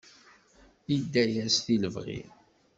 Idda yas di lebɣi.